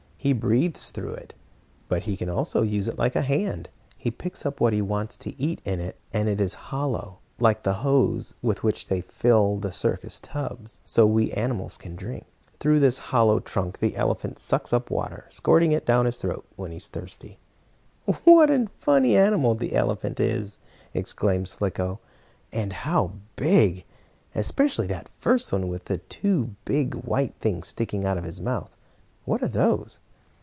He breathes through it, but he can also use it like a hand. He picks up what he wants to eat in it, and it is hollow, like the hose with which they fill the circus tubs, so we animals can drink. Through his hollow trunk, the elephant sucks up water, squirting it down his throat when he is thirsty." "What a funny animal an elephant is!" exclaimed Slicko. "And how big! Especially that first one, with the two big, white things sticking out of his mouth. What are those?"